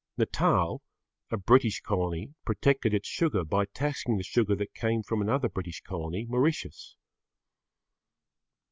Natal, a British colony, protected its sugar by taxing the sugar that came from another British colony, Mauritius.